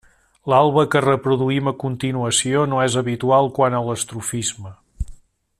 L'alba que reproduïm a continuació no és habitual quant a l'estrofisme.